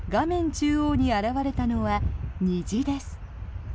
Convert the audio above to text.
中央に現れたのは虹です。